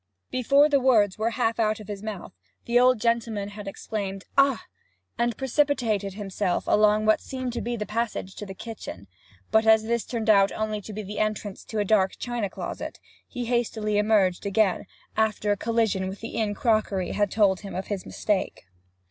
Before the words were half out of his mouth the old gentleman had exclaimed, 'Ah!' and precipitated himself along what seemed to be the passage to the kitchen; but as this turned out to be only the entrance to a dark china closet, he hastily emerged again, after a collision with the inn crockery had told him of his mistake.